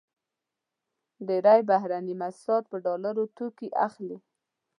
ډېری بهرني موسسات په ډالرو توکې اخلي.